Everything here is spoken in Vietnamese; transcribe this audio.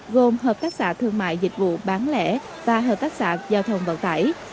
gồm hợp tác xã thương mại dịch vụ bán lẻ và hợp tác xã giao thông vận tải